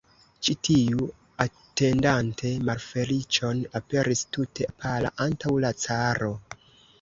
Ĉi tiu, atendante malfeliĉon, aperis tute pala antaŭ la caro.